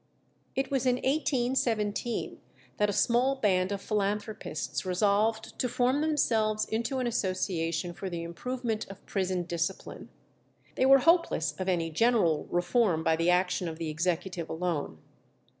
It was in 1817 that a small band of philanthropists resolved to form themselves into an association for the improvement of prison discipline. They were hopeless of any general reform by the action of the executive alone.